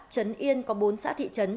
chấn yên có bốn xã thị trấn